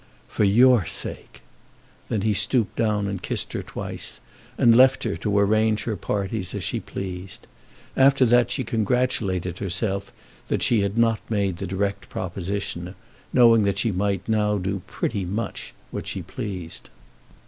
"For your sake!" Then he stooped down and kissed her twice, and left her to arrange her parties as she pleased. After that she congratulated herself that she had not made the direct proposition, knowing that she might now do pretty much what she pleased.